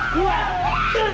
lu mau mau pesan